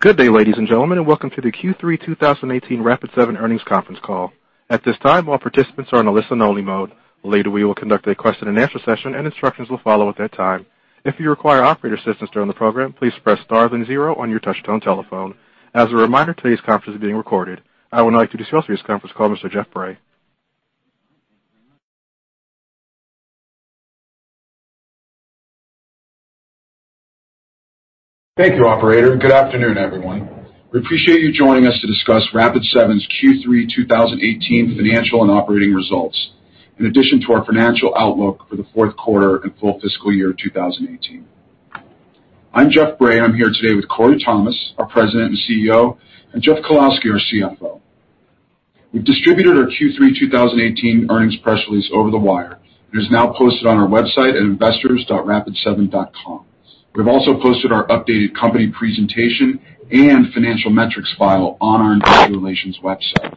Good day, ladies and gentlemen, and welcome to the Q3 2018 Rapid7 earnings conference call. At this time, all participants are on a listen only mode. Later, we will conduct a question and answer session, and instructions will follow at that time. If you require operator assistance during the program, please press star then zero on your touch-tone telephone. As a reminder, today's conference is being recorded. I would now like to introduce today's conference call, Mr. Jeff Bray. Thank you, operator. Good afternoon, everyone. We appreciate you joining us to discuss Rapid7's Q3 2018 financial and operating results, in addition to our financial outlook for the fourth quarter and full fiscal year 2018. I'm Jeff Bray, I'm here today with Corey Thomas, our President and CEO, and Jeff Kalowski, our CFO. We've distributed our Q3 2018 earnings press release over the wire. It is now posted on our website at investors.rapid7.com. We've also posted our updated company presentation and financial metrics file on our investor relations website.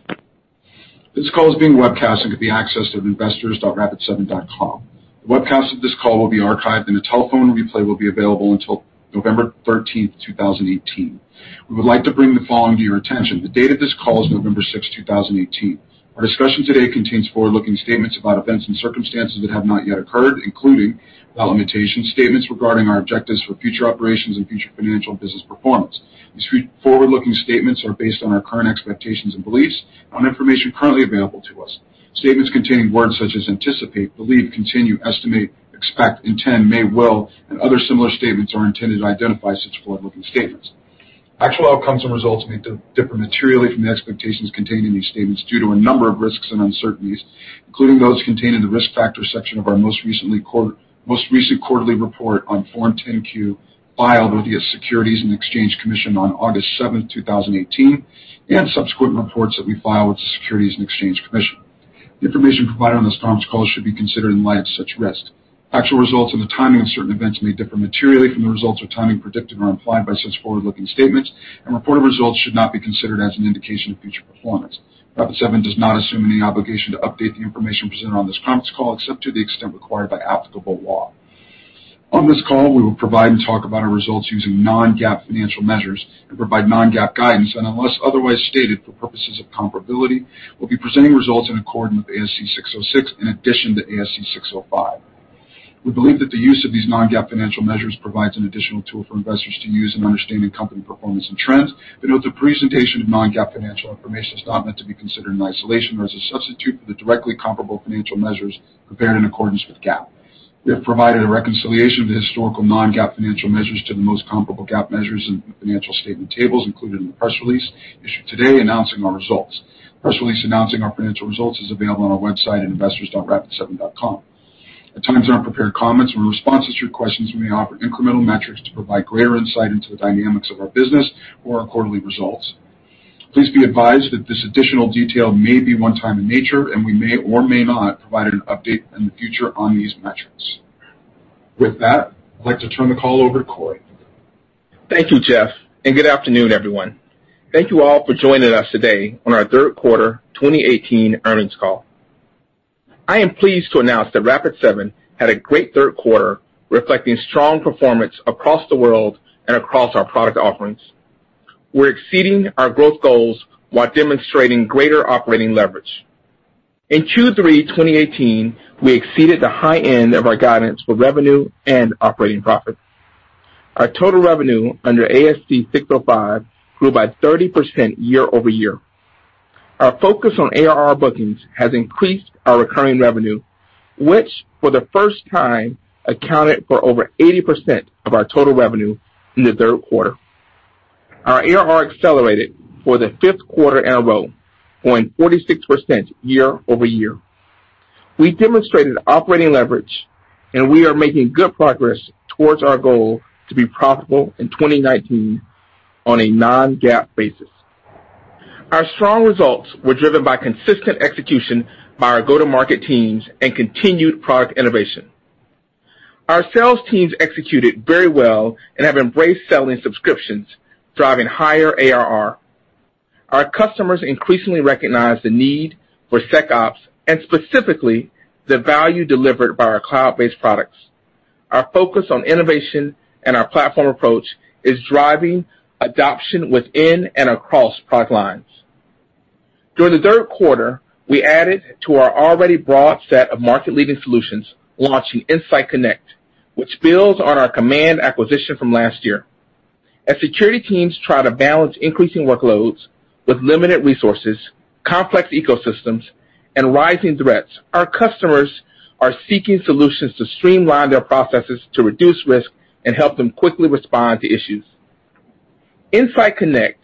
This call is being webcast and can be accessed at investors.rapid7.com. The webcast of this call will be archived, and a telephone replay will be available until November 13, 2018. We would like to bring the following to your attention. The date of this call is November 6, 2018. Our discussion today contains forward-looking statements about events and circumstances that have not yet occurred, including, without limitation, statements regarding our objectives for future operations and future financial and business performance. These forward-looking statements are based on our current expectations and beliefs on information currently available to us. Statements containing words such as "anticipate," "believe," "continue," "estimate," "expect," "intend," "may," "will," and other similar statements are intended to identify such forward-looking statements. Actual outcomes and results may differ materially from the expectations contained in these statements due to a number of risks and uncertainties, including those contained in the Risk Factors section of our most recent quarterly report on Form 10-Q, filed with the Securities and Exchange Commission on August 7, 2018, and subsequent reports that we file with the Securities and Exchange Commission. The information provided on this conference call should be considered in light of such risks. Actual results and the timing of certain events may differ materially from the results or timing predicted or implied by such forward-looking statements, and reported results should not be considered as an indication of future performance. Rapid7 does not assume any obligation to update the information presented on this conference call, except to the extent required by applicable law. On this call, we will provide and talk about our results using non-GAAP financial measures and provide non-GAAP guidance. Unless otherwise stated, for purposes of comparability, we'll be presenting results in accordance with ASC 606 in addition to ASC 605. We believe that the use of these non-GAAP financial measures provides an additional tool for investors to use in understanding company performance and trends, but note that presentation of non-GAAP financial information is not meant to be considered in isolation or as a substitute for the directly comparable financial measures prepared in accordance with GAAP. We have provided a reconciliation of the historical non-GAAP financial measures to the most comparable GAAP measures in the financial statement tables included in the press release issued today announcing our results. The press release announcing our financial results is available on our website at investors.rapid7.com. At times, our prepared comments or responses to your questions may offer incremental metrics to provide greater insight into the dynamics of our business or our quarterly results. Please be advised that this additional detail may be one-time in nature, and we may or may not provide an update in the future on these metrics. With that, I'd like to turn the call over to Corey. Thank you, Jeff. Good afternoon, everyone. Thank you all for joining us today on our third quarter 2018 earnings call. I am pleased to announce that Rapid7 had a great third quarter, reflecting strong performance across the world and across our product offerings. We're exceeding our growth goals while demonstrating greater operating leverage. In Q3 2018, we exceeded the high end of our guidance for revenue and operating profit. Our total revenue under ASC 605 grew by 30% year-over-year. Our focus on ARR bookings has increased our recurring revenue, which, for the first time, accounted for over 80% of our total revenue in the third quarter. Our ARR accelerated for the fifth quarter in a row, growing 46% year-over-year. We demonstrated operating leverage, and we are making good progress towards our goal to be profitable in 2019 on a non-GAAP basis. Our strong results were driven by consistent execution by our go-to-market teams and continued product innovation. Our sales teams executed very well and have embraced selling subscriptions, driving higher ARR. Our customers increasingly recognize the need for SecOps and specifically the value delivered by our cloud-based products. Our focus on innovation and our platform approach is driving adoption within and across product lines. During the third quarter, we added to our already broad set of market-leading solutions, launching InsightConnect, which builds on our Komand acquisition from last year. As security teams try to balance increasing workloads with limited resources, complex ecosystems, and rising threats, our customers are seeking solutions to streamline their processes to reduce risk and help them quickly respond to issues. InsightConnect,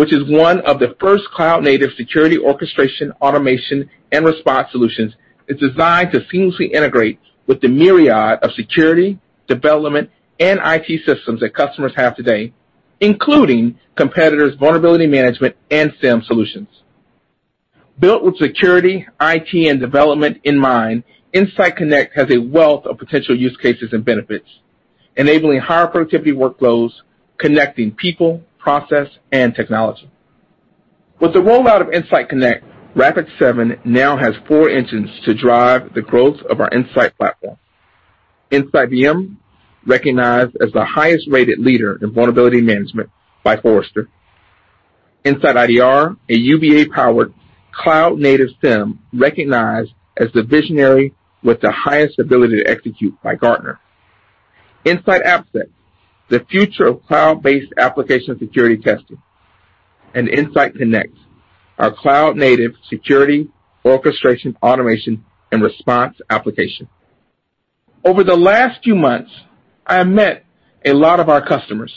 which is one of the first cloud-native security orchestration, automation, and response solutions, is designed to seamlessly integrate with the myriad of security, development, and IT systems that customers have today, including competitors' vulnerability management and SIEM solutions. Built with security, IT, and development in mind, InsightConnect has a wealth of potential use cases and benefits, enabling higher productivity workflows, connecting people, process, and technology. With the rollout of InsightConnect, Rapid7 now has four engines to drive the growth of our Insight platform. InsightVM, recognized as the highest-rated leader in vulnerability management by Forrester. InsightIDR, a UBA-powered cloud-native SIEM recognized as the visionary with the highest ability to execute by Gartner. InsightAppSec, the future of cloud-based application security testing. InsightConnect, our cloud-native security orchestration, automation, and response application. Over the last few months, I have met a lot of our customers,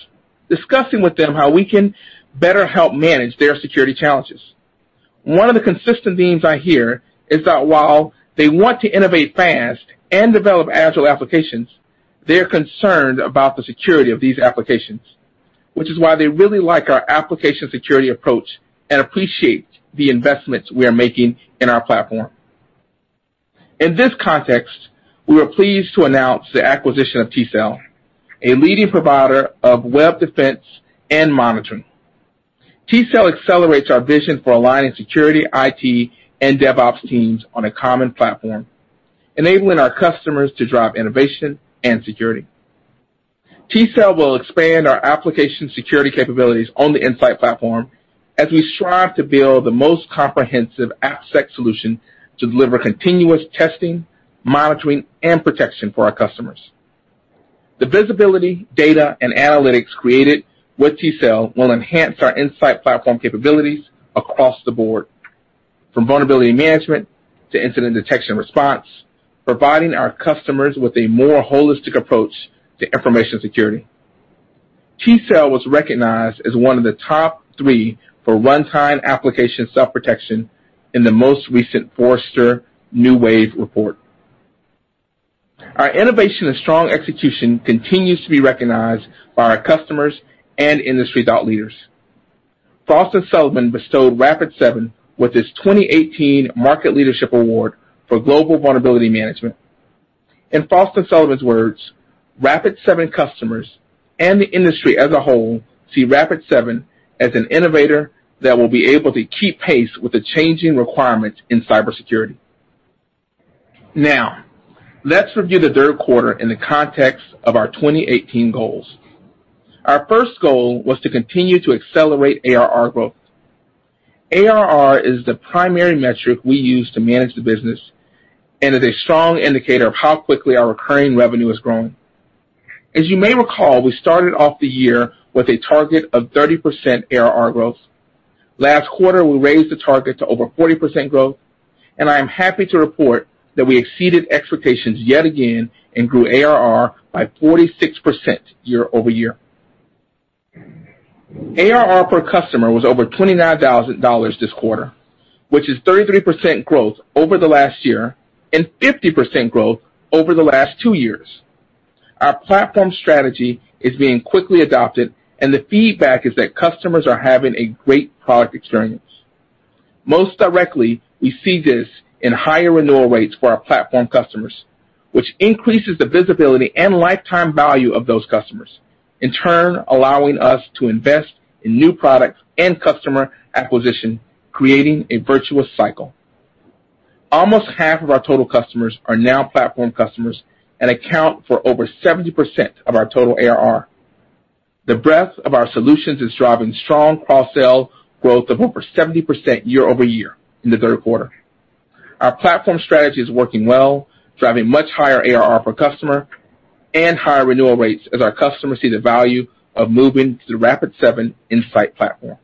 discussing with them how we can better help manage their security challenges. One of the consistent themes I hear is that while they want to innovate fast and develop agile applications, they are concerned about the security of these applications, which is why they really like our application security approach and appreciate the investments we are making in our platform. In this context, we are pleased to announce the acquisition of tCell, a leading provider of web defense and monitoring. tCell accelerates our vision for aligning security, IT, and DevOps teams on a common platform, enabling our customers to drive innovation and security. tCell will expand our application security capabilities on the Insight platform as we strive to build the most comprehensive AppSec solution to deliver continuous testing, monitoring, and protection for our customers. The visibility, data, and analytics created with tCell will enhance our Insight platform capabilities across the board, from vulnerability management to incident detection response, providing our customers with a more holistic approach to information security. tCell was recognized as one of the top three for runtime application self-protection in the most recent Forrester New Wave report. Our innovation and strong execution continues to be recognized by our customers and industry thought leaders. Frost & Sullivan bestowed Rapid7 with its 2018 Market Leadership Award for global vulnerability management. In Frost & Sullivan's words, Rapid7 customers and the industry as a whole see Rapid7 as an innovator that will be able to keep pace with the changing requirements in cybersecurity. Let's review the third quarter in the context of our 2018 goals. Our first goal was to continue to accelerate ARR growth. ARR is the primary metric we use to manage the business and is a strong indicator of how quickly our recurring revenue is growing. As you may recall, we started off the year with a target of 30% ARR growth. Last quarter, we raised the target to over 40% growth, and I am happy to report that we exceeded expectations yet again and grew ARR by 46% year-over-year. ARR per customer was over $29,000 this quarter, which is 33% growth over the last year and 50% growth over the last two years. Our platform strategy is being quickly adopted, and the feedback is that customers are having a great product experience. Most directly, we see this in higher renewal rates for our platform customers, which increases the visibility and lifetime value of those customers, in turn, allowing us to invest in new product and customer acquisition, creating a virtuous cycle. Almost half of our total customers are now platform customers and account for over 70% of our total ARR. The breadth of our solutions is driving strong cross-sell growth of over 70% year-over-year in the third quarter. Our platform strategy is working well, driving much higher ARR per customer and higher renewal rates as our customers see the value of moving to the Rapid7 Insight platform.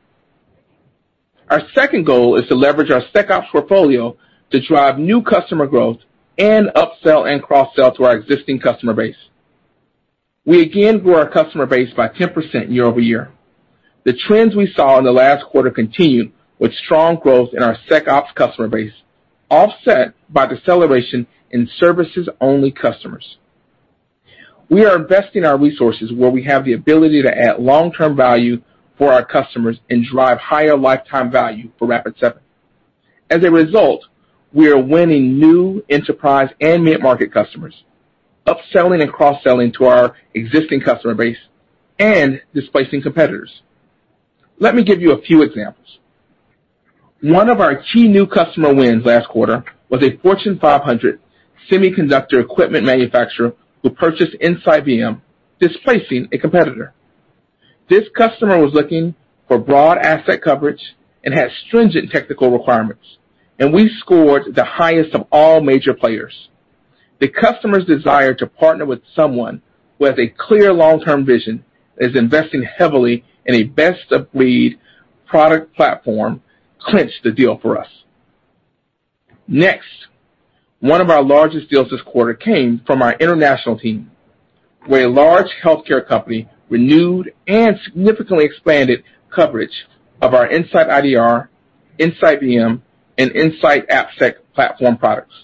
Our second goal is to leverage our SecOps portfolio to drive new customer growth and up-sell and cross-sell to our existing customer base. We again grew our customer base by 10% year-over-year. One of our largest deals this quarter came from our international team, where a large healthcare company renewed and significantly expanded coverage of our InsightIDR, InsightVM, and InsightAppSec platform products.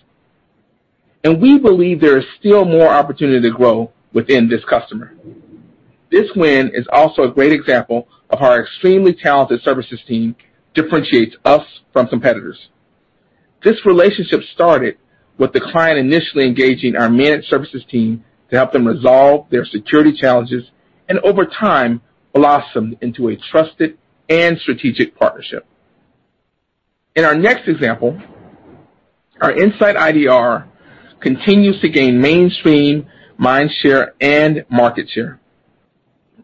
We believe there is still more opportunity to grow within this customer. This win is also a great example of our extremely talented services team differentiates us from competitors. This relationship started with the client initially engaging our managed services team to help them resolve their security challenges, and over time blossomed into a trusted and strategic partnership. In our next example, our InsightIDR continues to gain mainstream mind share and market share.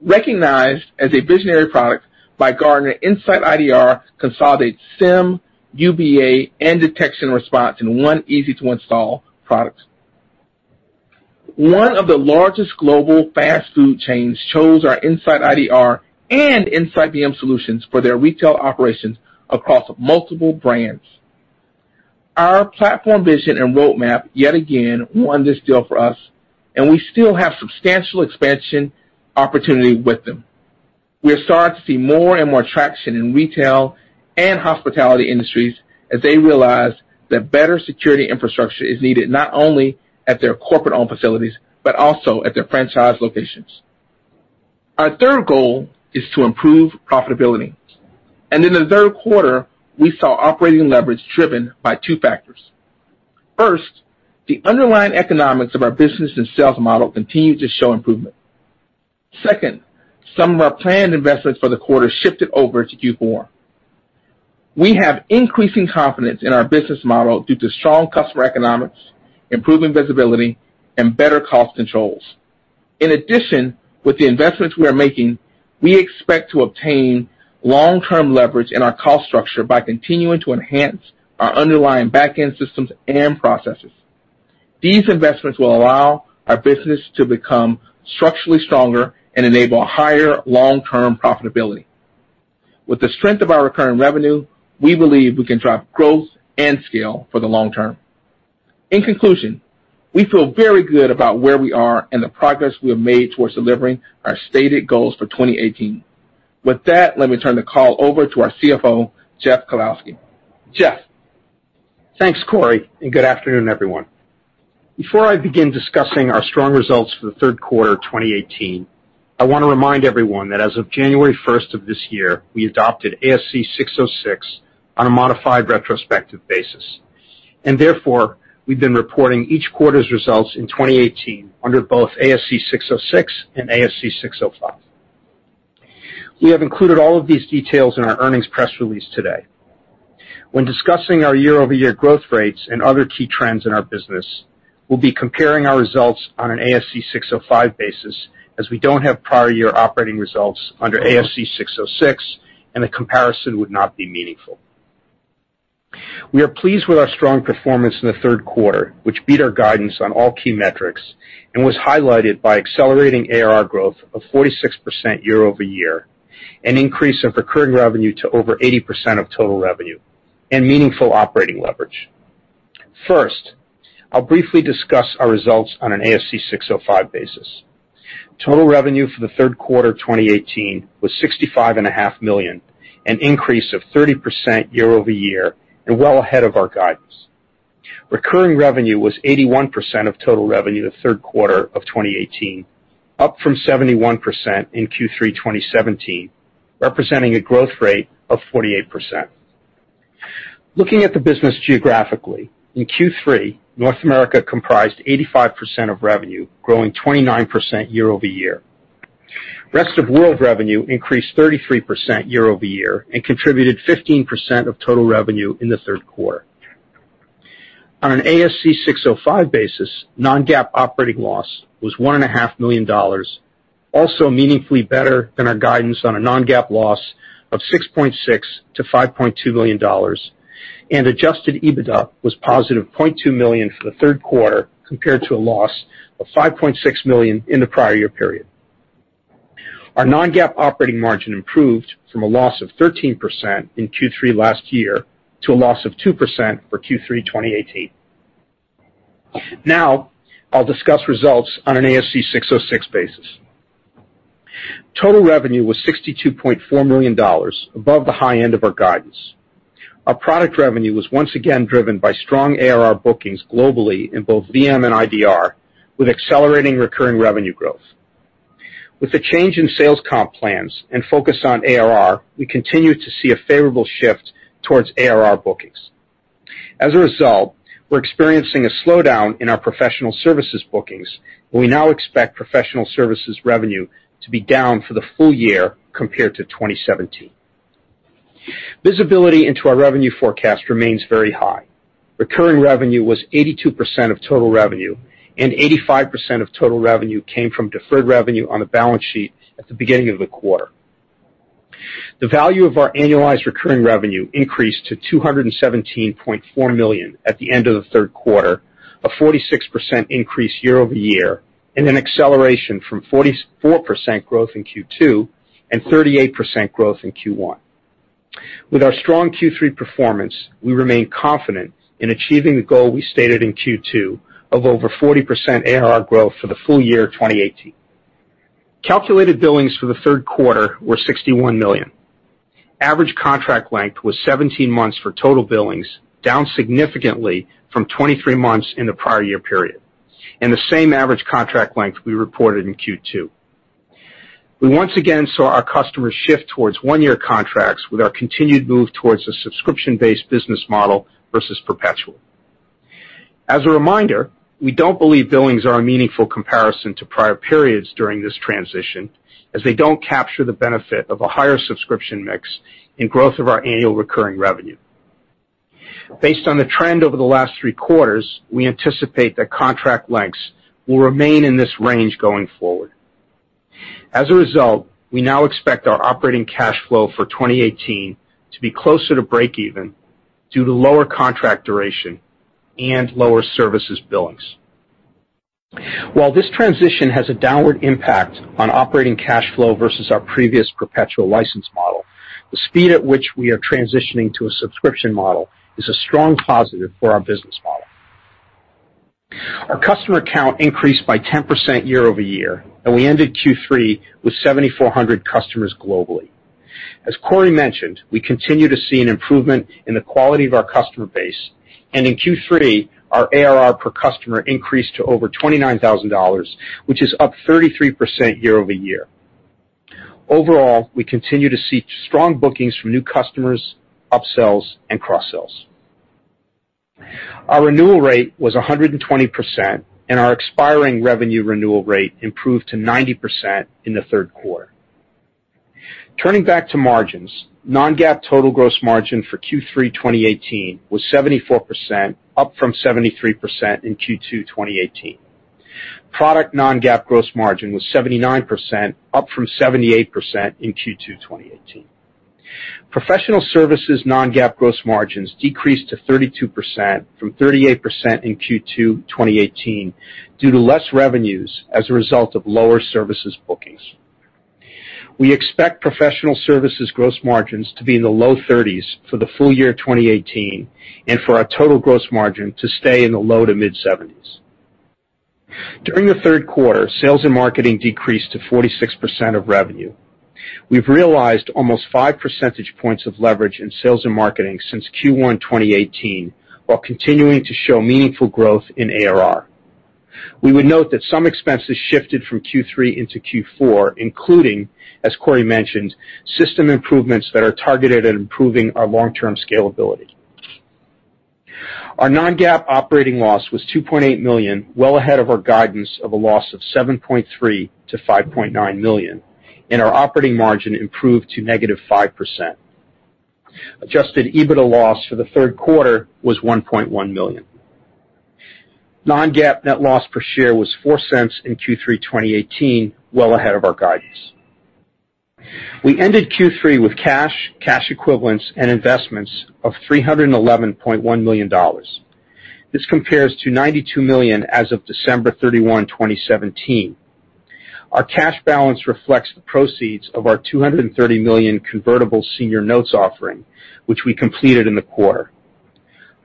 Recognized as a visionary product by Gartner, InsightIDR consolidates SIEM, UBA, and detection response in one easy-to-install product. One of the largest global fast food chains chose our InsightIDR and InsightVM solutions for their retail operations In the third quarter, we saw operating leverage driven by two factors. First, the underlying economics of our business and sales model continued to show improvement. Second, some of our planned investments for the quarter shifted over to Q4. We have increasing confidence in our business model due to strong customer economics, improving visibility, and better cost controls. In addition, with the investments we are making, we expect to obtain long-term leverage in our cost structure by continuing to enhance our underlying back-end systems and processes. These investments will allow our business to become structurally stronger and enable higher long-term profitability. With the strength of our recurring revenue, we believe we can drive growth and scale for the long term. In conclusion, we feel very good about where we are and the progress we have made towards delivering our stated goals for 2018. With that, let me turn the call over to our CFO, Jeff Kalowski. Jeff? Thanks, Corey. Good afternoon, everyone. Before I begin discussing our strong results for the third quarter 2018, I want to remind everyone that as of January first of this year, we adopted ASC 606 on a modified retrospective basis. Therefore, we've been reporting each quarter's results in 2018 under both ASC 606 and ASC 605. We have included all of these details in our earnings press release today. When discussing our year-over-year growth rates and other key trends in our business, we'll be comparing our results on an ASC 605 basis, as we don't have prior year operating results under ASC 606. The comparison would not be meaningful. We are pleased with our strong performance in the third quarter, which beat our guidance on all key metrics and was highlighted by accelerating ARR growth of 46% year-over-year. Meaningful operating leverage. First, I'll briefly discuss our results on an ASC 605 basis. Total revenue for the third quarter 2018 was $65 and a half million, an increase of 30% year-over-year. Well ahead of our guidance. Recurring revenue was 81% of total revenue the third quarter of 2018, up from 71% in Q3 2017, representing a growth rate of 48%. Looking at the business geographically, in Q3, North America comprised 85% of revenue, growing 29% year-over-year. Rest of world revenue increased 33% year-over-year. Contributed 15% of total revenue in the third quarter. On an ASC 605 basis, non-GAAP operating loss was $1.5 million, also meaningfully better than our guidance on a non-GAAP loss of $6.6 million to $5.2 million. Adjusted EBITDA was positive $0.2 million for the third quarter compared to a loss of $5.6 million in the prior year period. Our non-GAAP operating margin improved from a loss of 13% in Q3 last year to a loss of 2% for Q3 2018. Now I'll discuss results on an ASC 606 basis. Total revenue was $62.4 million, above the high end of our guidance. Our product revenue was once again driven by strong ARR bookings globally in both VM and IDR, with accelerating recurring revenue growth. With the change in sales comp plans and focus on ARR, we continue to see a favorable shift towards ARR bookings. As a result, we're experiencing a slowdown in our professional services bookings, and we now expect professional services revenue to be down for the full year compared to 2017. Visibility into our revenue forecast remains very high. Recurring revenue was 82% of total revenue, and 85% of total revenue came from deferred revenue on the balance sheet at the beginning of the quarter. The value of our annualized recurring revenue increased to $217.4 million at the end of the third quarter, a 46% increase year-over-year, and an acceleration from 44% growth in Q2 and 38% growth in Q1. With our strong Q3 performance, we remain confident in achieving the goal we stated in Q2 of over 40% ARR growth for the full year 2018. Calculated billings for the third quarter were $61 million. Average contract length was 17 months for total billings, down significantly from 23 months in the prior year period, and the same average contract length we reported in Q2. We once again saw our customers shift towards one-year contracts with our continued move towards a subscription-based business model versus perpetual. As a reminder, we don't believe billings are a meaningful comparison to prior periods during this transition, as they don't capture the benefit of a higher subscription mix in growth of our annual recurring revenue. Based on the trend over the last three quarters, we anticipate that contract lengths will remain in this range going forward. As a result, we now expect our operating cash flow for 2018 to be closer to break even due to lower contract duration and lower services billings. While this transition has a downward impact on operating cash flow versus our previous perpetual license model, the speed at which we are transitioning to a subscription model is a strong positive for our business model. Our customer count increased by 10% year-over-year, and we ended Q3 with 7,400 customers globally. As Corey mentioned, we continue to see an improvement in the quality of our customer base, and in Q3, our ARR per customer increased to over $29,000, which is up 33% year-over-year. Overall, we continue to see strong bookings from new customers, upsells, and cross-sells. Our renewal rate was 120%, and our expiring revenue renewal rate improved to 90% in the third quarter. Turning back to margins, non-GAAP total gross margin for Q3 2018 was 74%, up from 73% in Q2 2018. Product non-GAAP gross margin was 79%, up from 78% in Q2 2018. Professional services non-GAAP gross margins decreased to 32% from 38% in Q2 2018 due to less revenues as a result of lower services bookings. We expect professional services gross margins to be in the low 30s for the full year 2018, and for our total gross margin to stay in the low to mid 70s. During the third quarter, sales and marketing decreased to 46% of revenue. We've realized almost five percentage points of leverage in sales and marketing since Q1 2018 while continuing to show meaningful growth in ARR. We would note that some expenses shifted from Q3 into Q4, including, as Corey mentioned, system improvements that are targeted at improving our long-term scalability. Our non-GAAP operating loss was $2.8 million, well ahead of our guidance of a loss of $7.3 million-$5.9 million, and our operating margin improved to negative 5%. Adjusted EBITDA loss for the third quarter was $1.1 million. non-GAAP net loss per share was $0.04 in Q3 2018, well ahead of our guidance. We ended Q3 with cash equivalents, and investments of $311.1 million. This compares to $92 million as of December 31, 2017. Our cash balance reflects the proceeds of our $230 million convertible senior notes offering, which we completed in the quarter.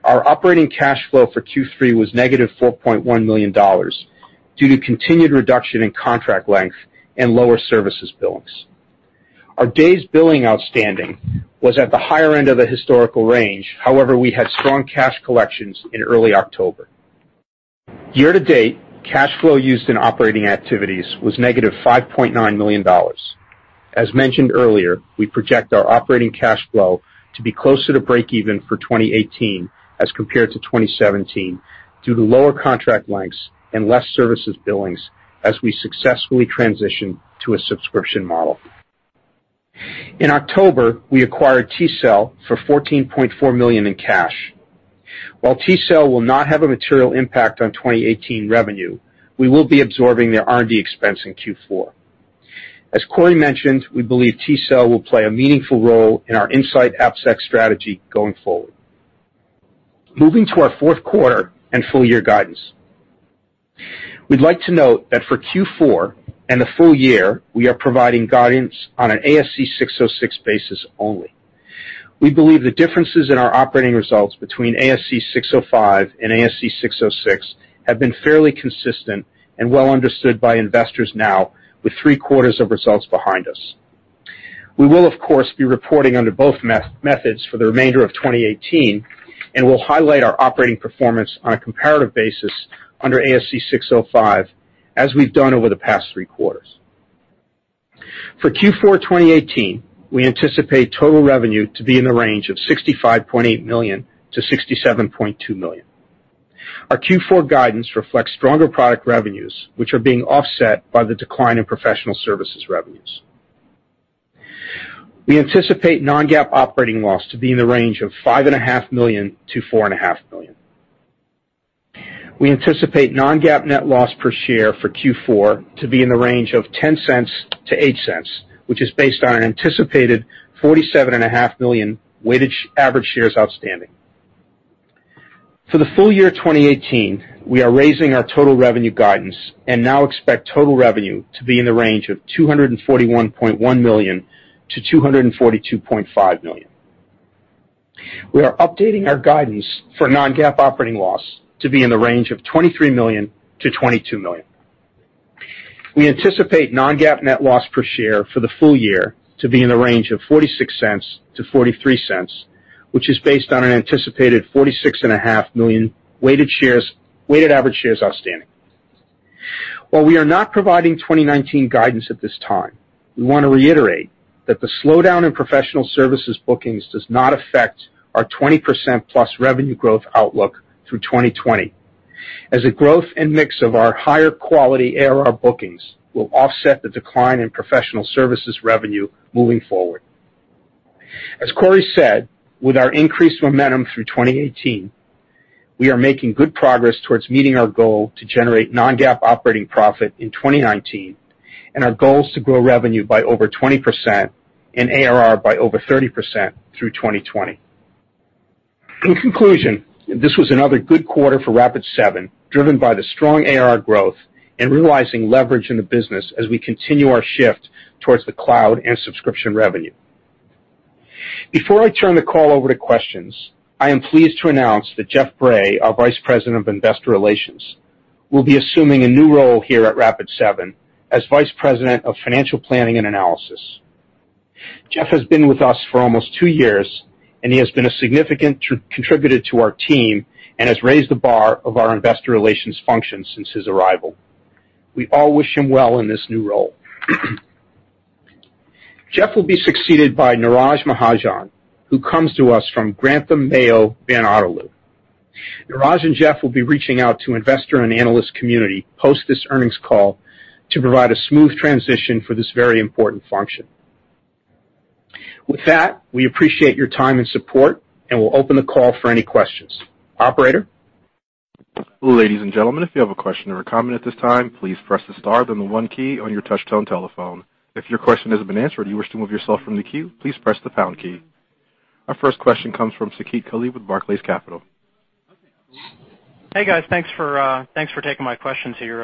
Our operating cash flow for Q3 was negative $4.1 million due to continued reduction in contract length and lower services billings. Our days billing outstanding was at the higher end of the historical range. However, we had strong cash collections in early October. Year to date, cash flow used in operating activities was negative $5.9 million. As mentioned earlier, we project our operating cash flow to be closer to break even for 2018 as compared to 2017 due to lower contract lengths and less services billings as we successfully transition to a subscription model. In October, we acquired tCell for $14.4 million in cash. While tCell will not have a material impact on 2018 revenue, we will be absorbing their R&D expense in Q4. As Corey mentioned, we believe tCell will play a meaningful role in our InsightAppSec strategy going forward. Moving to our fourth quarter and full year guidance. We'd like to note that for Q4 and the full year, we are providing guidance on an ASC 606 basis only. We believe the differences in our operating results between ASC 605 and ASC 606 have been fairly consistent and well understood by investors now with three quarters of results behind us. We will, of course, be reporting under both methods for the remainder of 2018. We'll highlight our operating performance on a comparative basis under ASC 605 as we've done over the past three quarters. For Q4 2018, we anticipate total revenue to be in the range of $65.8 million-$67.2 million. Our Q4 guidance reflects stronger product revenues, which are being offset by the decline in professional services revenues. We anticipate non-GAAP operating loss to be in the range of $5.5 million-$4.5 million. We anticipate non-GAAP net loss per share for Q4 to be in the range of $0.10-$0.08, which is based on an anticipated 47.5 million weighted average shares outstanding. For the full year 2018, we are raising our total revenue guidance and now expect total revenue to be in the range of $241.1 million-$242.5 million. We are updating our guidance for non-GAAP operating loss to be in the range of $23 million-$22 million. We anticipate non-GAAP net loss per share for the full year to be in the range of $0.46-$0.43, which is based on an anticipated 46.5 million weighted average shares outstanding. While we are not providing 2019 guidance at this time, we want to reiterate that the slowdown in professional services bookings does not affect our 20% plus revenue growth outlook through 2020, as the growth and mix of our higher quality ARR bookings will offset the decline in professional services revenue moving forward. As Corey said, with our increased momentum through 2018, we are making good progress towards meeting our goal to generate non-GAAP operating profit in 2019. Our goal is to grow revenue by over 20% and ARR by over 30% through 2020. In conclusion, this was another good quarter for Rapid7, driven by the strong ARR growth and realizing leverage in the business as we continue our shift towards the cloud and subscription revenue. Before I turn the call over to questions, I am pleased to announce that Jeff Bray, our Vice President of Investor Relations, will be assuming a new role here at Rapid7 as Vice President of Financial Planning and Analysis. Jeff has been with us for almost two years, and he has been a significant contributor to our team and has raised the bar of our investor relations function since his arrival. We all wish him well in this new role. Jeff will be succeeded by Neeraj Mahajan, who comes to us from Grantham, Mayo, Van Otterloo. Neeraj and Jeff will be reaching out to investor and analyst community post this earnings call to provide a smooth transition for this very important function. With that, we appreciate your time and support, we'll open the call for any questions. Operator? Ladies and gentlemen, if you have a question or a comment at this time, please press the star then the one key on your touch-tone telephone. If your question hasn't been answered and you wish to move yourself from the queue, please press the pound key. Our first question comes from Saket Kalia with Barclays Capital. Hey, guys. Thanks for taking my questions here,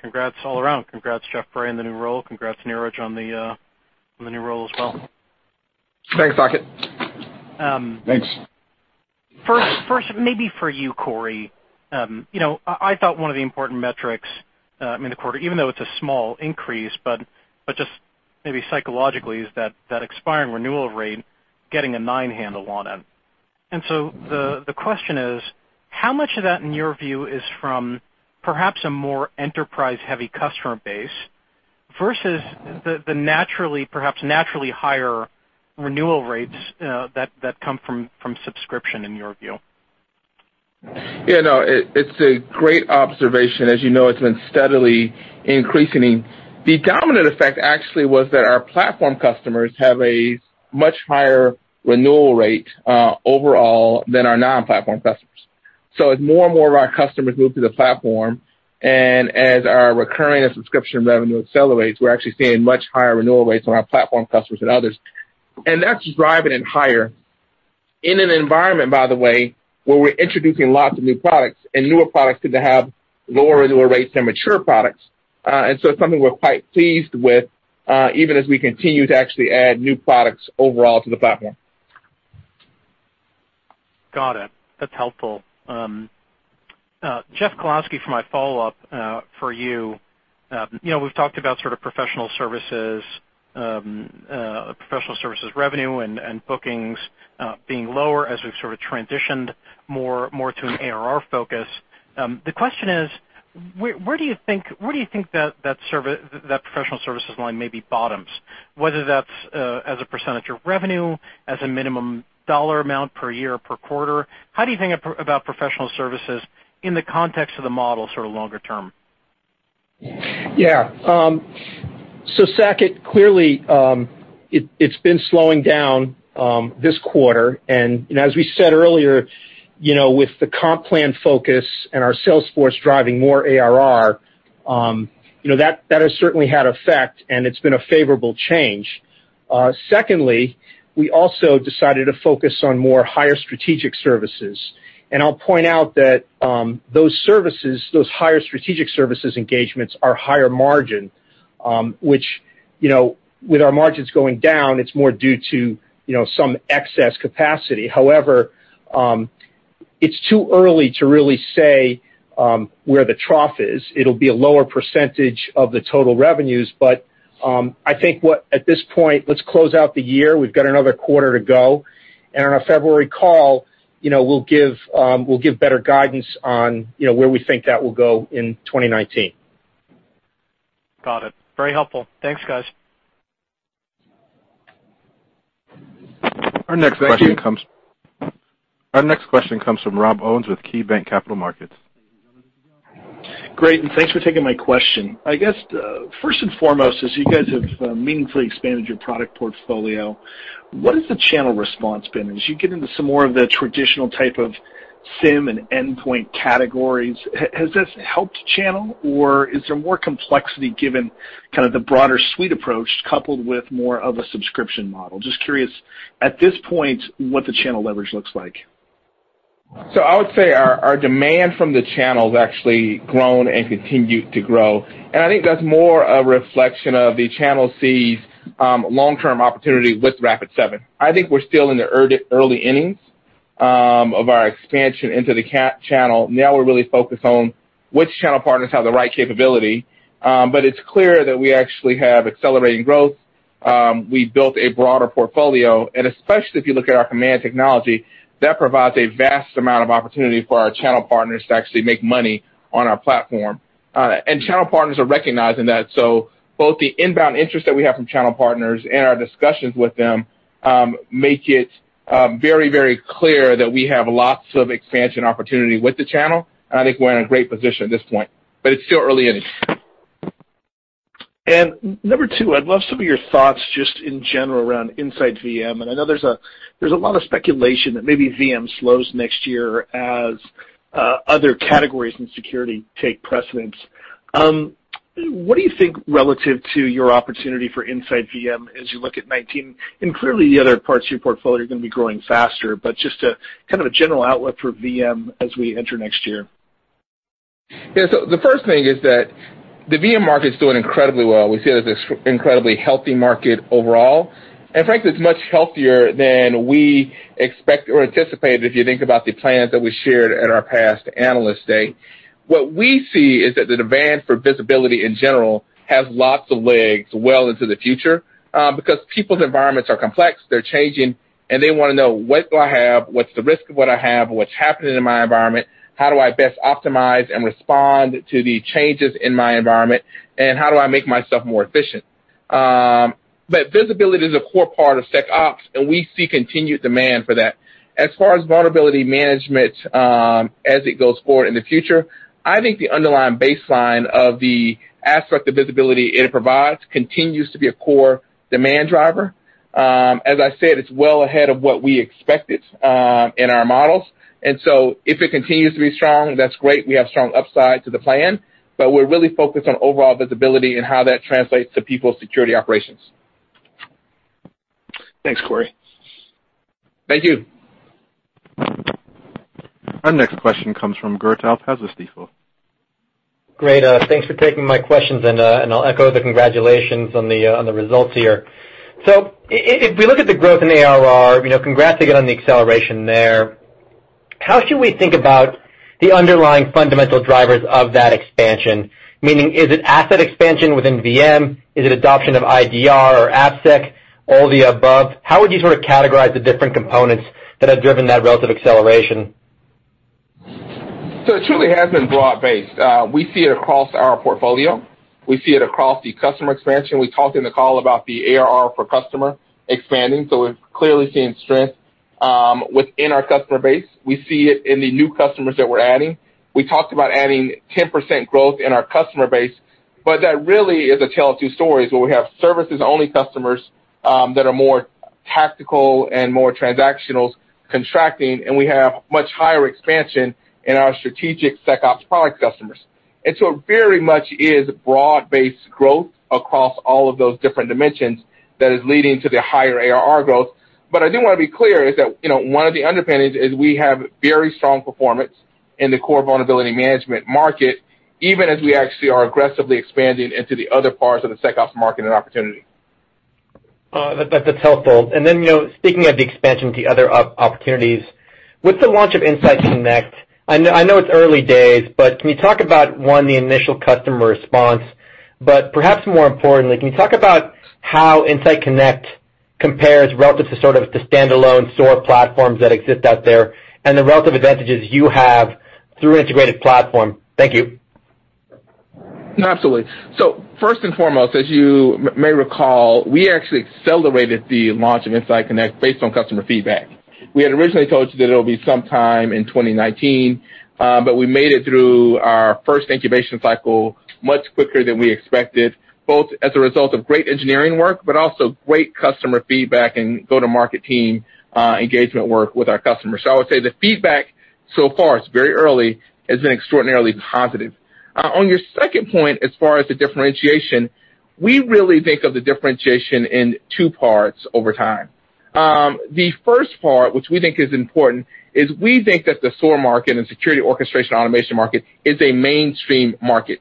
congrats all around. Congrats, Jeff Bray, on the new role. Congrats, Neeraj, on the new role as well. Thanks, Saket. Thanks. First, maybe for you, Corey. I thought one of the important metrics in the quarter, even though it's a small increase, but just maybe psychologically, is that expiring renewal rate getting a nine handle on it. The question is, how much of that, in your view, is from perhaps a more enterprise-heavy customer base versus the perhaps naturally higher renewal rates that come from subscription, in your view? Yeah, no, it's a great observation. As you know, it's been steadily increasing. The dominant effect actually was that our platform customers have a much higher renewal rate overall than our non-platform customers. As more and more of our customers move to the platform, and as our recurring and subscription revenue accelerates, we're actually seeing much higher renewal rates on our platform customers than others. That's driving it higher in an environment, by the way, where we're introducing lots of new products, and newer products tend to have lower renewal rates than mature products. It's something we're quite pleased with, even as we continue to actually add new products overall to the platform. Got it. That's helpful. Jeff Kalowski, for my follow-up for you. We've talked about professional services revenue and bookings being lower as we've sort of transitioned more to an ARR focus. The question is, where do you think that professional services line maybe bottoms, whether that's as a percentage of revenue, as a minimum dollar amount per year, per quarter? How do you think about professional services in the context of the model longer term? Yeah. Saket Kalia, clearly, it's been slowing down this quarter. As we said earlier, with the comp plan focus and our sales force driving more ARR, that has certainly had effect, and it's been a favorable change. Secondly, we also decided to focus on more higher strategic services. I'll point out that those services, those higher strategic services engagements, are higher margin, which with our margins going down, it's more due to some excess capacity. However, it's too early to really say where the trough is. It'll be a lower percentage of the total revenues. I think at this point, let's close out the year. We've got another quarter to go. On our February call, we'll give better guidance on where we think that will go in 2019. Got it. Very helpful. Thanks, guys. Thank you. Our next question comes from Rob Owens with KeyBanc Capital Markets. Great, thanks for taking my question. I guess, first and foremost, as you guys have meaningfully expanded your product portfolio, what has the channel response been? As you get into some more of the traditional type of SIEM and endpoint categories, has this helped channel, or is there more complexity given the broader suite approach coupled with more of a subscription model? Just curious, at this point, what the channel leverage looks like. I would say our demand from the channel has actually grown and continued to grow. I think that's more a reflection of the channel sees long-term opportunity with Rapid7. Now we're still in the early innings of our expansion into the channel. We're really focused on which channel partners have the right capability. It's clear that we actually have accelerating growth. We built a broader portfolio, especially if you look at our Komand technology, that provides a vast amount of opportunity for our channel partners to actually make money on our platform. Channel partners are recognizing that. Both the inbound interest that we have from channel partners and our discussions with them, make it very clear that we have lots of expansion opportunity with the channel. I think we're in a great position at this point. It's still early innings. Number 2, I'd love some of your thoughts just in general around InsightVM. I know there's a lot of speculation that maybe VM slows next year as other categories in security take precedence. What do you think relative to your opportunity for InsightVM as you look at 2019? Clearly, the other parts of your portfolio are going to be growing faster, just kind of a general outlook for VM as we enter next year. Yeah. The first thing is that the VM market's doing incredibly well. We see it as an incredibly healthy market overall. Frankly, it's much healthier than we expect or anticipated, if you think about the plans that we shared at our past Analyst Day. What we see is that the demand for visibility in general has lots of legs well into the future, because people's environments are complex, they're changing, and they want to know what do I have? What's the risk of what I have? What's happening in my environment? How do I best optimize and respond to the changes in my environment, and how do I make myself more efficient? Visibility is a core part of SecOps, we see continued demand for that. As far as vulnerability management, as it goes forward in the future, I think the underlying baseline of the aspect of visibility it provides continues to be a core demand driver. As I said, it's well ahead of what we expected in our models. If it continues to be strong, that's great. We have strong upside to the plan, but we're really focused on overall visibility and how that translates to people's security operations. Thanks, Corey. Thank you. Our next question comes from Gregg Moskowitz. Thanks for taking my questions, and I'll echo the congratulations on the results here. If we look at the growth in ARR, congrats again on the acceleration there. How should we think about the underlying fundamental drivers of that expansion? Meaning, is it asset expansion within VM? Is it adoption of IDR or AppSec? All the above? How would you sort of categorize the different components that have driven that relative acceleration? It truly has been broad-based. We see it across our portfolio. We see it across the customer expansion. We talked in the call about the ARR for customer expanding, so we're clearly seeing strength within our customer base. We see it in the new customers that we're adding. We talked about adding 10% growth in our customer base, but that really is a tale of two stories, where we have services-only customers that are more tactical and more transactional contracting, and we have much higher expansion in our strategic SecOps product customers. It very much is broad-based growth across all of those different dimensions that is leading to the higher ARR growth. I do want to be clear is that one of the underpinnings is we have very strong performance in the core vulnerability management market, even as we actually are aggressively expanding into the other parts of the SecOps market and opportunity. That's helpful. Speaking of the expansion to the other opportunities, with the launch of InsightConnect, I know it's early days, but can you talk about, one, the initial customer response, but perhaps more importantly, can you talk about how InsightConnect compares relative to sort of the standalone SOAR platforms that exist out there and the relative advantages you have through an integrated platform? Thank you. First and foremost, as you may recall, we actually accelerated the launch of InsightConnect based on customer feedback. We had originally told you that it'll be sometime in 2019, but we made it through our first incubation cycle much quicker than we expected, both as a result of great engineering work, but also great customer feedback and go-to-market team engagement work with our customers. I would say the feedback so far, it's very early, has been extraordinarily positive. On your second point, as far as the differentiation, we really think of the differentiation in two parts over time. The first part, which we think is important, is we think that the SOAR market and security orchestration automation market is a mainstream market.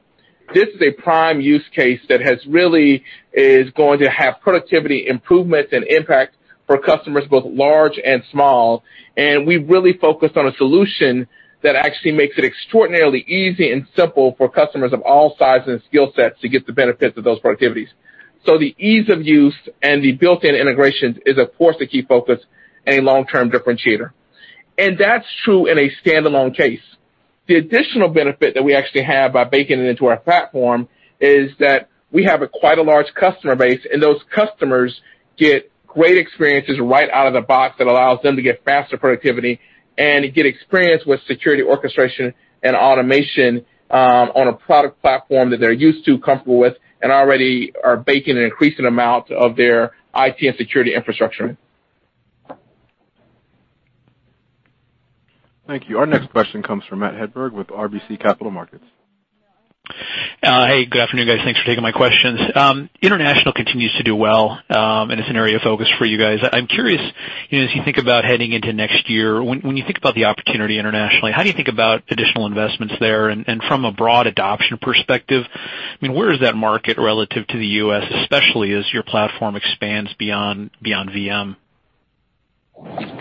This is a prime use case that really is going to have productivity improvements and impact for customers both large and small, and we really focus on a solution that actually makes it extraordinarily easy and simple for customers of all sizes and skill sets to get the benefits of those productivities. The ease of use and the built-in integrations is of course a key focus and a long-term differentiator. That's true in a standalone case. The additional benefit that we actually have by baking it into our platform is that we have quite a large customer base, and those customers get great experiences right out of the box that allows them to get faster productivity and get experience with security orchestration and automation on a product platform that they're used to, comfortable with, and already are baking an increasing amount of their IT and security infrastructure in. Thank you. Our next question comes from Matthew Hedberg with RBC Capital Markets. Hey, good afternoon, guys. Thanks for taking my questions. International continues to do well, and it's an area of focus for you guys. I'm curious, as you think about heading into next year, when you think about the opportunity internationally, how do you think about additional investments there? From a broad adoption perspective, where is that market relative to the U.S., especially as your platform expands beyond VM?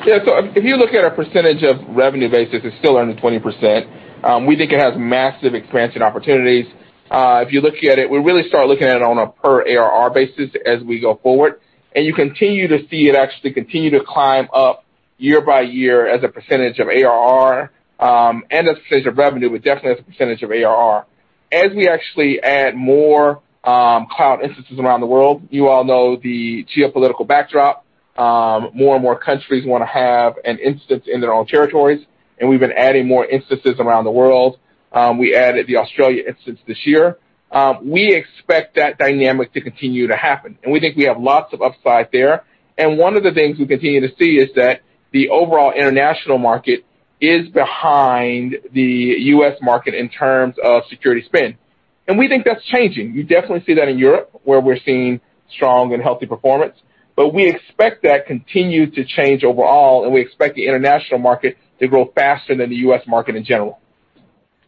Yeah. If you look at our percentage of revenue basis, it's still under 20%. We think it has massive expansion opportunities. If you look at it, we really start looking at it on a per ARR basis as we go forward, and you continue to see it actually continue to climb up year by year as a percentage of ARR, and as a percentage of revenue, but definitely as a percentage of ARR. As we actually add more cloud instances around the world, you all know the geopolitical backdrop. More and more countries want to have an instance in their own territories, and we've been adding more instances around the world. We added the Australia instance this year. We expect that dynamic to continue to happen, and we think we have lots of upside there. One of the things we continue to see is that the overall international market is behind the U.S. market in terms of security spend. We think that's changing. You definitely see that in Europe, where we're seeing strong and healthy performance. We expect that continue to change overall, and we expect the international market to grow faster than the U.S. market in general.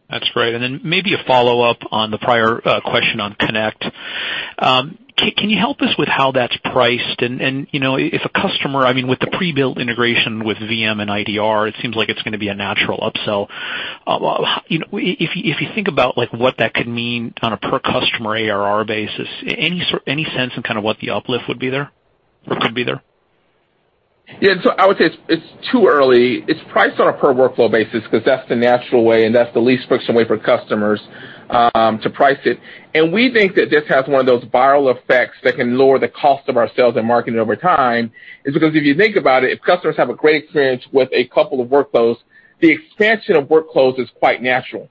That's great. Then maybe a follow-up on the prior question on Connect. Can you help us with how that's priced? If a customer, I mean, with the pre-built integration with VM and IDR, it seems like it's going to be a natural upsell. If you think about what that could mean on a per customer ARR basis, any sense on what the uplift would be there? Or could be there? Yeah. I would say it's too early. It's priced on a per workflow basis because that's the natural way, and that's the least friction way for customers to price it. We think that this has one of those viral effects that can lower the cost of our sales and marketing over time. Is because if you think about it, if customers have a great experience with a couple of workflows, the expansion of workflows is quite natural.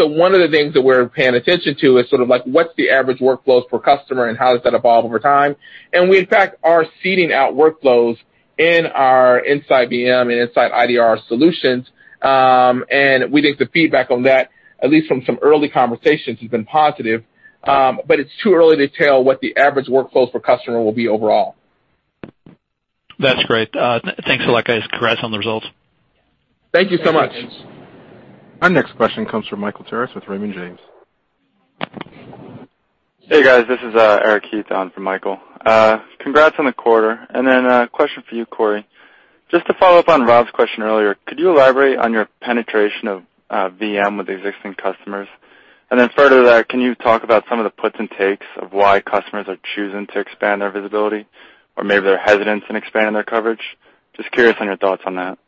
One of the things that we're paying attention to is sort of like, what's the average workflows per customer, and how does that evolve over time? We, in fact, are seeding out workflows in our InsightVM and InsightIDR solutions. We think the feedback on that, at least from some early conversations, has been positive. It's too early to tell what the average workflows per customer will be overall. That's great. Thanks a lot, guys. Congrats on the results. Thank you so much. Our next question comes from Michael Turits with Raymond James. Hey, guys. This is Eric Keith on for Michael. Congrats on the quarter. A question for you, Corey. Just to follow up on Rob's question earlier, could you elaborate on your penetration of VM with existing customers? Further to that, can you talk about some of the puts and takes of why customers are choosing to expand their visibility? Or maybe their hesitance in expanding their coverage? Just curious on your thoughts on that.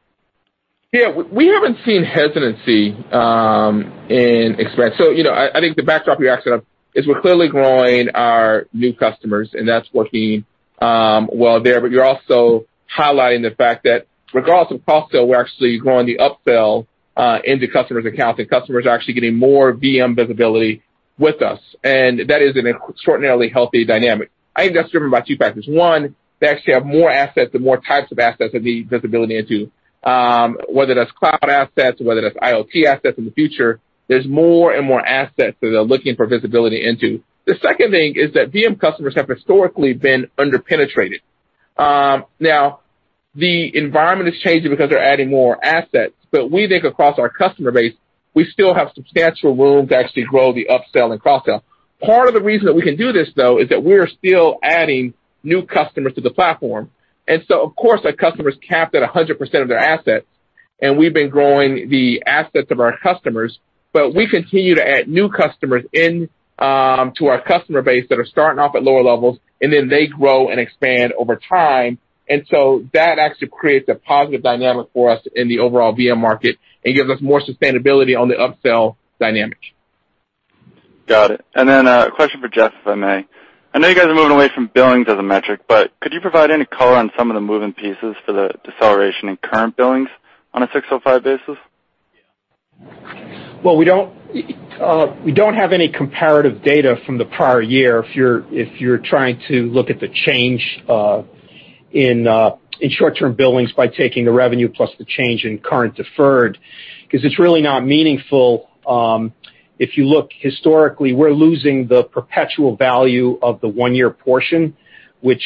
Yeah. We haven't seen hesitancy in expansion. I think the backdrop you asked about is we're clearly growing our new customers, and that's working well there. You're also highlighting the fact that regardless of cross-sell, we're actually growing the upsell into customers' accounts, and customers are actually getting more VM visibility with us. That is an extraordinarily healthy dynamic. I think that's driven by two factors. One, they actually have more assets and more types of assets that need visibility into. Whether that's cloud assets, whether that's IoT assets in the future, there's more and more assets that they're looking for visibility into. The second thing is that VM customers have historically been under-penetrated. Now, the environment is changing because they're adding more assets. We think across our customer base, we still have substantial room to actually grow the upsell and cross-sell. Part of the reason that we can do this, though, is that we are still adding new customers to the platform. Of course, our customers capped at 100% of their assets, and we've been growing the assets of our customers, but we continue to add new customers into our customer base that are starting off at lower levels, and then they grow and expand over time. That actually creates a positive dynamic for us in the overall VM market and gives us more sustainability on the upsell dynamic. Got it. A question for Jeff, if I may. I know you guys are moving away from billings as a metric, but could you provide any color on some of the moving pieces for the deceleration in current billings on a 605 basis? We don't have any comparative data from the prior year if you're trying to look at the change in short-term billings by taking the revenue plus the change in current deferred, because it's really not meaningful. If you look historically, we're losing the perpetual value of the one-year portion, which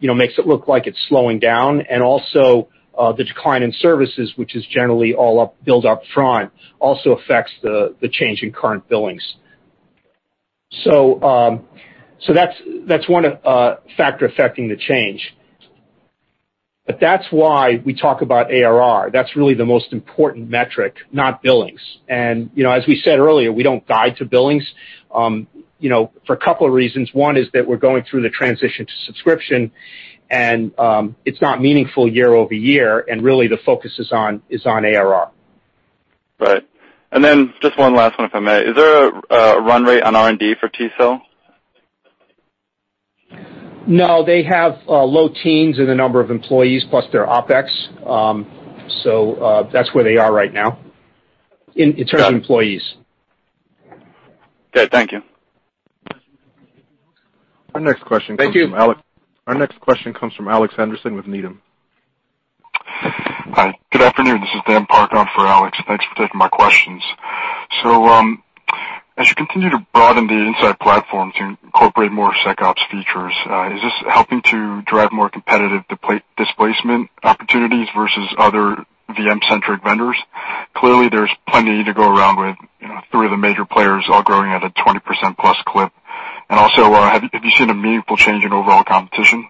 makes it look like it's slowing down, and also the decline in services, which is generally all built up front, also affects the change in current billings. That's one factor affecting the change. That's why we talk about ARR. That's really the most important metric, not billings. As we said earlier, we don't guide to billings for a couple of reasons. One is that we're going through the transition to subscription, and it's not meaningful year-over-year, and really the focus is on ARR. Right. Just one last one if I may. Is there a run rate on R&D for tCell? No, they have low teens in the number of employees plus their OpEx. That's where they are right now in terms of employees. Okay, thank you. Our next question comes from. Thank you. Our next question comes from Alex Henderson with Needham. Hi. Good afternoon. This is Dan Park on for Alex. Thanks for taking my questions. As you continue to broaden the Insight platform to incorporate more SecOps features, is this helping to drive more competitive displacement opportunities versus other VM-centric vendors? Clearly, there's plenty to go around with three of the major players all growing at a 20%-plus clip. Also, have you seen a meaningful change in overall competition?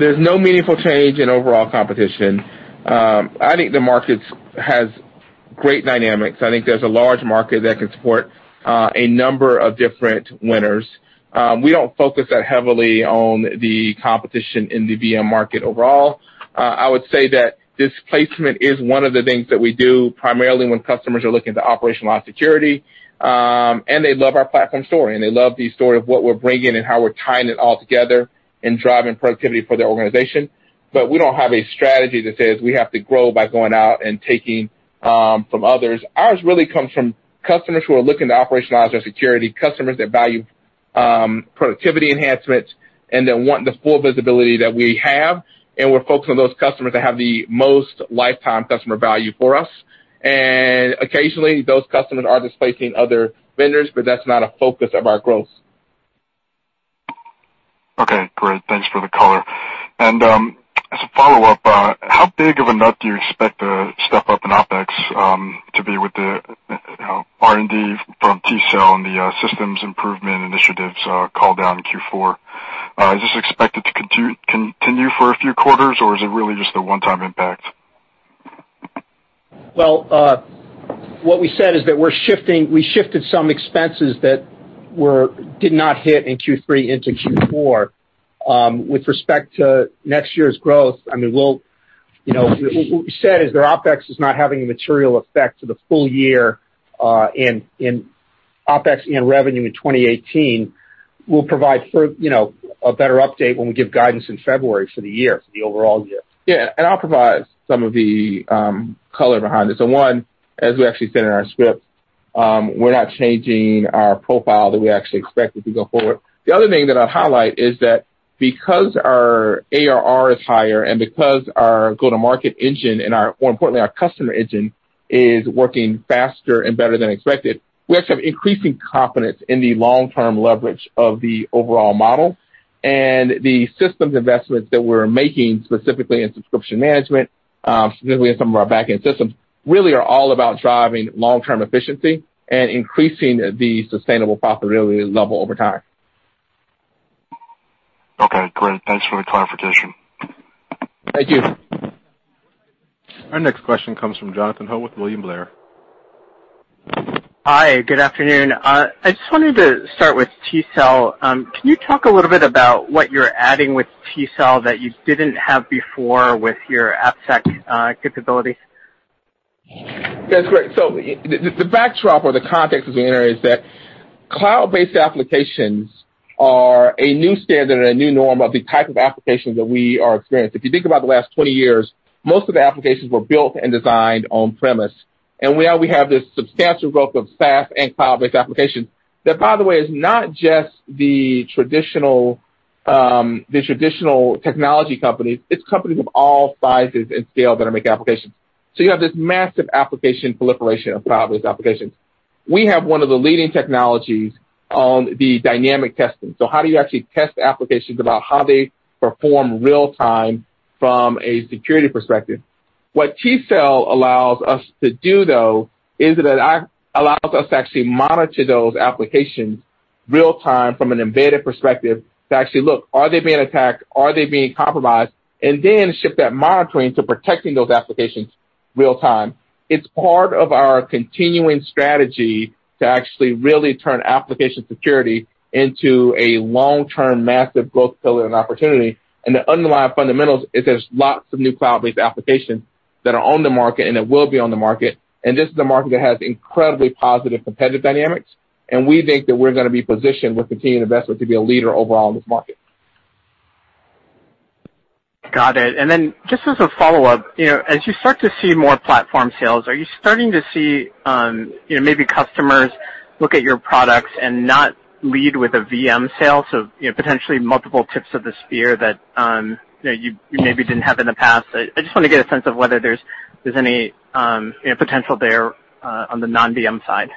There's no meaningful change in overall competition. I think the market has great dynamics. I think there's a large market that can support a number of different winners. We don't focus that heavily on the competition in the VM market overall. I would say that displacement is one of the things that we do primarily when customers are looking to operationalize security, and they love our platform story, and they love the story of what we're bringing and how we're tying it all together and driving productivity for their organization. We don't have a strategy that says we have to grow by going out and taking from others. Ours really comes from customers who are looking to operationalize their security, customers that value productivity enhancements, and that want the full visibility that we have. We're focused on those customers that have the most lifetime customer value for us. Occasionally, those customers are displacing other vendors, but that's not a focus of our growth. Okay, great. Thanks for the color. As a follow-up, how big of a nut do you expect the step up in OpEx to be with the R&D from tCell and the systems improvement initiatives called out in Q4? Is this expected to continue for a few quarters, or is it really just a one-time impact? Well, what we said is that we shifted some expenses that did not hit in Q3 into Q4. With respect to next year's growth, what we said is that OpEx is not having a material effect to the full year in OpEx and revenue in 2018. We'll provide a better update when we give guidance in February for the year, for the overall year. Yeah, I'll provide some of the color behind this. One, as we actually said in our script, we're not changing our profile that we actually expected to go forward. The other thing that I'll highlight is that because our ARR is higher and because our go-to-market engine and more importantly, our customer engine is working faster and better than expected, we actually have increasing confidence in the long-term leverage of the overall model. The systems investments that we're making, specifically in subscription management, specifically in some of our back-end systems, really are all about driving long-term efficiency and increasing the sustainable profitability level over time. Okay, great. Thanks for the clarification. Thank you. Our next question comes from Jonathan Ho with William Blair. Hi, good afternoon. I just wanted to start with tCell. Can you talk a little bit about what you're adding with tCell that you didn't have before with your AppSec capabilities? Yeah, that's great. The backdrop or the context of the area is that cloud-based applications are a new standard and a new norm of the type of applications that we are experiencing. If you think about the last 20 years, most of the applications were built and designed on-premise. Now we have this substantial growth of SaaS and cloud-based applications. That, by the way, is not just the traditional technology companies. It's companies of all sizes and scales that are making applications. You have this massive application proliferation of cloud-based applications. We have one of the leading technologies on the dynamic testing. How do you actually test applications about how they perform real time from a security perspective? What tCell allows us to do, though, is it allows us to actually monitor those applications real time from an embedded perspective to actually look, are they being attacked? Are they being compromised? Then ship that monitoring to protecting those applications real time. It's part of our continuing strategy to actually really turn application security into a long-term massive growth pillar and opportunity. The underlying fundamentals is there's lots of new cloud-based applications that are on the market, and that will be on the market, and this is a market that has incredibly positive competitive dynamics, and we think that we're going to be positioned with continued investment to be a leader overall in this market. Got it. Just as a follow-up, as you start to see more platform sales, are you starting to see maybe customers look at your products and not lead with a VM sale? Potentially multiple tips of the spear that you maybe didn't have in the past. I just want to get a sense of whether there's any potential there on the non-VM side.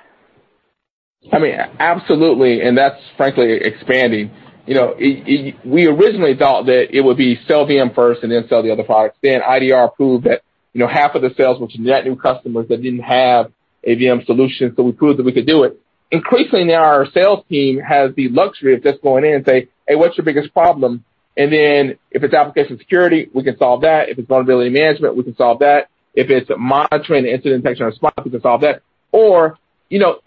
Absolutely. That's frankly expanding. We originally thought that it would be sell VM first and then sell the other products. IDR proved that half of the sales, which is net new customers that didn't have a VM solution, we proved that we could do it. Increasingly now our sales team has the luxury of just going in and say, "Hey, what's your biggest problem?" If it's application security, we can solve that. If it's vulnerability management, we can solve that. If it's monitoring incident detection and response, we can solve that.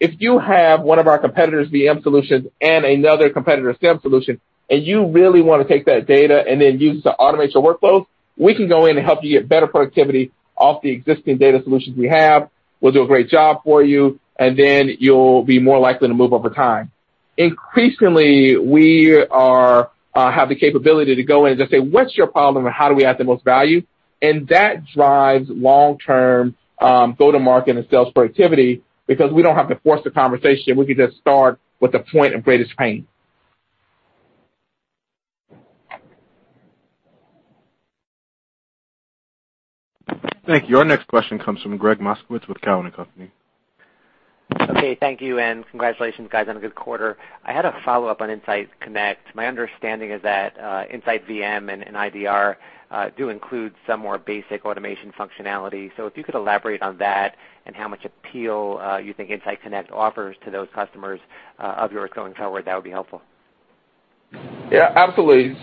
If you have one of our competitors' VM solutions and another competitor SIEM solution, and you really want to take that data and then use it to automate your workflows, we can go in and help you get better productivity off the existing data solutions we have. We'll do a great job for you'll be more likely to move over time. Increasingly, we have the capability to go in and just say, "What's your problem, and how do we add the most value?" That drives long-term go-to-market and sales productivity because we don't have to force the conversation. We can just start with the point of greatest pain. Thank you. Our next question comes from Gregg Moskowitz with Cowen and Company. Okay, thank you, and congratulations, guys, on a good quarter. I had a follow-up on InsightConnect. My understanding is that InsightVM and IDR do include some more basic automation functionality. If you could elaborate on that and how much appeal you think InsightConnect offers to those customers of yours going forward, that would be helpful. Yeah, absolutely.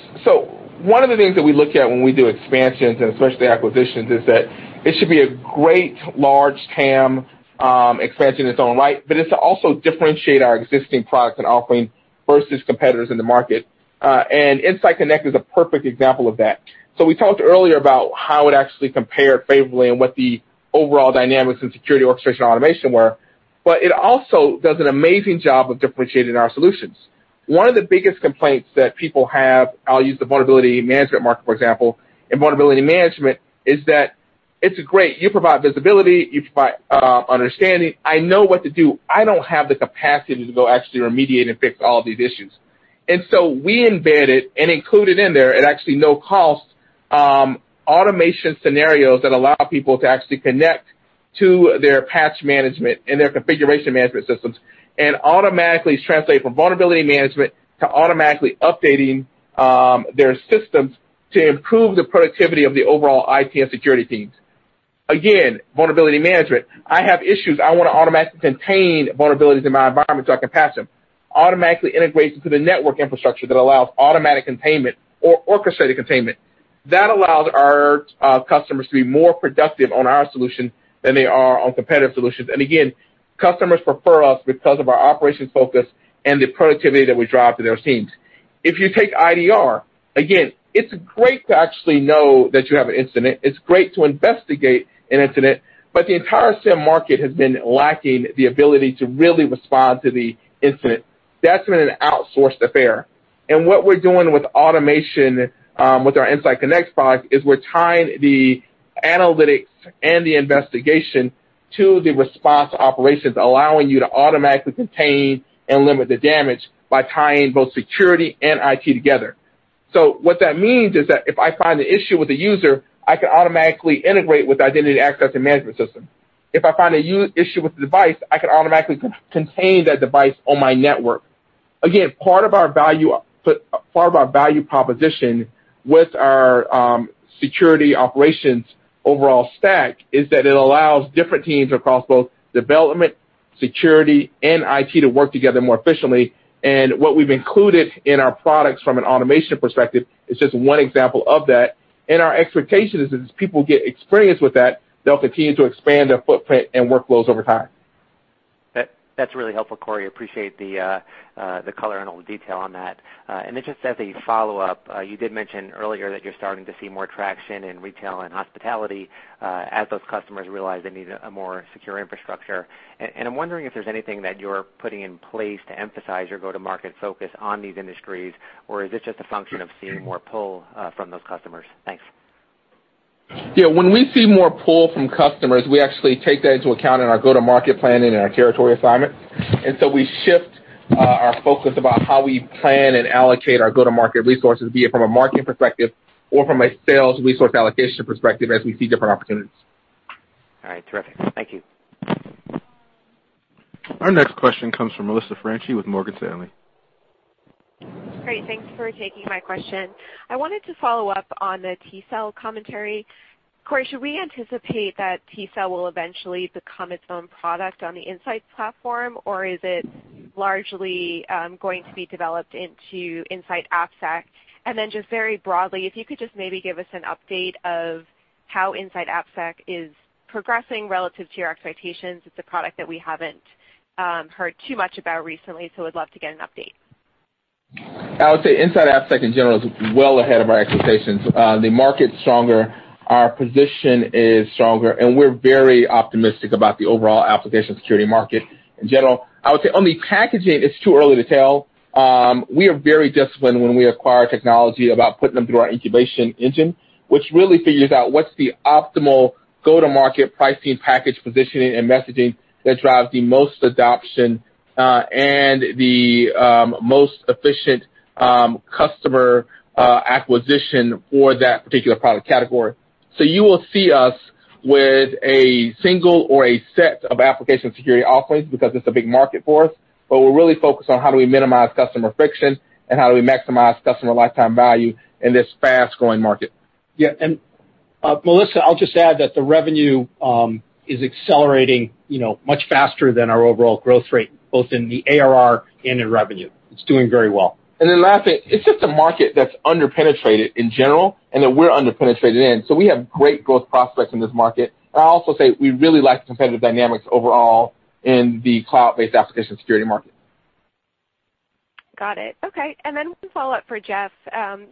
One of the things that we look at when we do expansions, and especially acquisitions, is that it should be a great large TAM expansion in its own right, but it's to also differentiate our existing products and offerings versus competitors in the market. InsightConnect is a perfect example of that. We talked earlier about how it actually compared favorably and what the overall dynamics in security orchestration and automation were, but it also does an amazing job of differentiating our solutions. One of the biggest complaints that people have, I'll use the vulnerability management market, for example, in vulnerability management, is that it's great. You provide visibility, you provide understanding. I know what to do. I don't have the capacity to go actually remediate and fix all of these issues. We embedded and included in there, at actually no cost, automation scenarios that allow people to actually connect to their patch management and their configuration management systems, and automatically translate from vulnerability management to automatically updating their systems to improve the productivity of the overall ITS security teams. Again, vulnerability management. I have issues. I want to automatically contain vulnerabilities in my environment so I can patch them. Automatically integrates into the network infrastructure that allows automatic containment or orchestrated containment. That allows our customers to be more productive on our solution than they are on competitive solutions. Again, customers prefer us because of our operations focus and the productivity that we drive to their teams. If you take IDR, again, it's great to actually know that you have an incident, it's great to investigate an incident, but the entire SIEM market has been lacking the ability to really respond to the incident. That's been an outsourced affair. What we're doing with automation, with our InsightConnect product, is we're tying the analytics and the investigation to the response operations, allowing you to automatically contain and limit the damage by tying both security and IT together. What that means is that if I find an issue with a user, I can automatically integrate with the identity access and management system. If I find an issue with the device, I can automatically contain that device on my network. Part of our value proposition with our security operations overall stack is that it allows different teams across both development, security, and IT to work together more efficiently. What we've included in our products from an automation perspective is just one example of that. Our expectation is that as people get experience with that, they'll continue to expand their footprint and workloads over time. That's really helpful, Corey. Appreciate the color and all the detail on that. Just as a follow-up, you did mention earlier that you're starting to see more traction in retail and hospitality as those customers realize they need a more secure infrastructure. I'm wondering if there's anything that you're putting in place to emphasize your go-to-market focus on these industries, or is it just a function of seeing more pull from those customers? Thanks. Yeah. When we see more pull from customers, we actually take that into account in our go-to-market planning and our territory assignment. We shift our focus about how we plan and allocate our go-to-market resources, be it from a marketing perspective or from a sales resource allocation perspective as we see different opportunities. All right. Terrific. Thank you. Our next question comes from Melissa Franchi with Morgan Stanley. Great. Thanks for taking my question. I wanted to follow up on the tCell commentary. Corey, should we anticipate that tCell will eventually become its own product on the Insight platform, or is it largely going to be developed into InsightAppSec? Just very broadly, if you could just maybe give us an update of how InsightAppSec is progressing relative to your expectations. It's a product that we haven't heard too much about recently, would love to get an update. I would say InsightAppSec in general is well ahead of our expectations. The market's stronger, our position is stronger, and we're very optimistic about the overall application security market in general. I would say on the packaging, it's too early to tell. We are very disciplined when we acquire technology about putting them through our incubation engine, which really figures out what's the optimal go-to-market pricing, package positioning, and messaging that drives the most adoption, and the most efficient customer acquisition for that particular product category. You will see us with a single or a set of application security offerings because it's a big market for us, but we're really focused on how do we minimize customer friction and how do we maximize customer lifetime value in this fast-growing market. Yeah, Melissa, I'll just add that the revenue is accelerating much faster than our overall growth rate, both in the ARR and in revenue. It's doing very well. Last thing, it's just a market that's under-penetrated in general, and that we're under-penetrated in. We have great growth prospects in this market. I'll also say we really like the competitive dynamics overall in the cloud-based application security market. Got it. Okay. One follow-up for Jeff.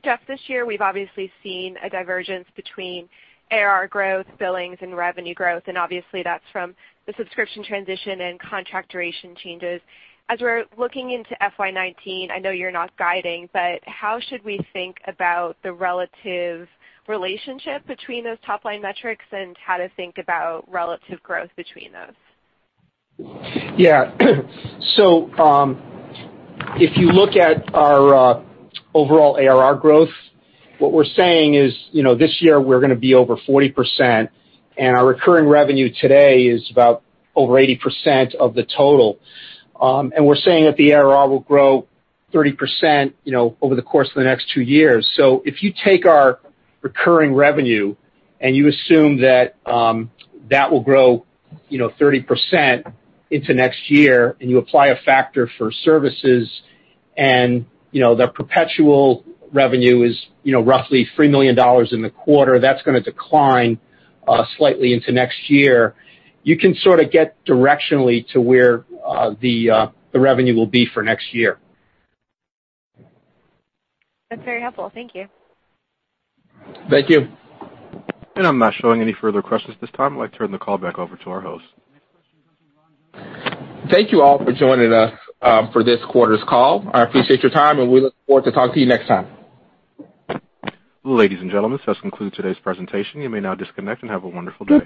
Jeff, this year we've obviously seen a divergence between ARR growth, billings, and revenue growth, and obviously that's from the subscription transition and contract duration changes. As we're looking into FY 2019, I know you're not guiding, how should we think about the relative relationship between those top-line metrics and how to think about relative growth between those? Yeah. If you look at our overall ARR growth, what we're saying is this year we're going to be over 40%, and our recurring revenue today is about over 80% of the total. We're saying that the ARR will grow 30% over the course of the next two years. If you take our recurring revenue and you assume that will grow 30% into next year, and you apply a factor for services and the perpetual revenue is roughly $3 million in the quarter, that's going to decline slightly into next year. You can sort of get directionally to where the revenue will be for next year. That's very helpful. Thank you. Thank you. I'm not showing any further questions at this time. I'd like to turn the call back over to our host. Thank you all for joining us for this quarter's call. I appreciate your time, and we look forward to talking to you next time. Ladies and gentlemen, this does conclude today's presentation. You may now disconnect and have a wonderful day.